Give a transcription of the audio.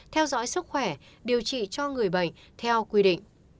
theo dõi sức khỏe điều trị cho người bệnh theo quy định